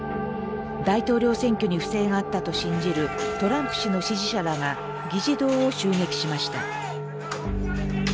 大統領選挙に不正があったと信じるトランプ氏の支持者らが議事堂を襲撃しました。